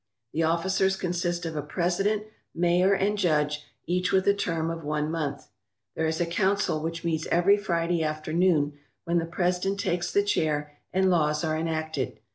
The officers consist of a president, mayor, and judge, each with a term of one month. There is a council, which meets every Friday after noon, when the president takes the chair and laws are enacted.